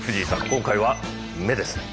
今回は目ですね。